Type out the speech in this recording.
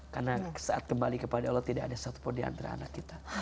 karena saat kembali kepada allah tidak ada satupun di antara anak kita